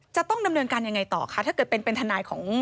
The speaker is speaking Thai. จะต้องดำเนินการยังไงต่อคะถ้าเกิดเป็นเป็นทนายของ